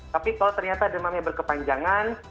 tapi kalau ternyata demamnya berkepanjangan